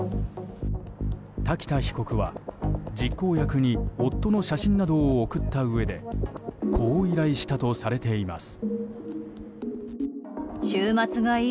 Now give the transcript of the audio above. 瀧田被告は、実行役に夫の写真などを送ったうえでこう依頼したとされています。